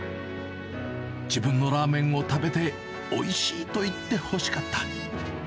自分のラーメンを食べて、おいしいと言ってほしかった。